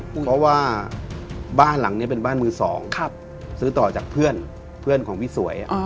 เพราะว่าบ้านหลังนี้เป็นบ้านมือสองซื้อต่อจากเพื่อนเพื่อนของพี่สวย